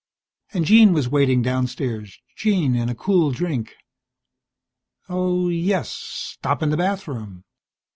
And Jean was waiting downstairs, Jean and a cool drink. Oh, yes, stop in the bathroom.